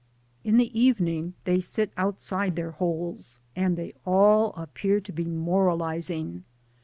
In the evening they sit outside their holes, and they all appear to be moralising.